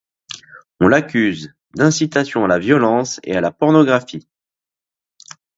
On l'accuse d'incitation à la violence et à la pornographie.